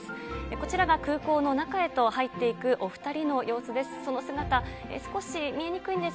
こちらが空港の中へと入っていくお２人の様子です。